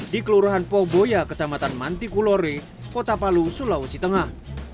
di kelurahan poboya kecamatan mantikulore kota palu sulawesi tengah